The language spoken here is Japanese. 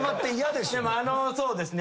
でもあのそうですね。